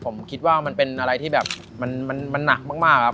ผมคิดว่ามันเป็นอะไรที่แบบมันหนักมากครับ